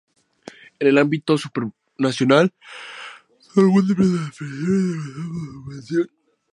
En el ámbito supranacional, son múltiples las definiciones del concepto subvención.